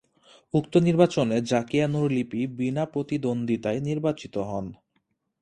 উক্ত উপনির্বাচনে জাকিয়া নূর লিপি বিনা প্রতিদ্বন্দিতায় নির্বাচিত হন।